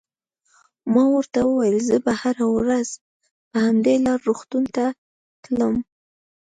ما ورته وویل: زه به هره ورځ پر همدې لار روغتون ته تلم.